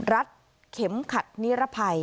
รัดเข็มขัดนิรภัย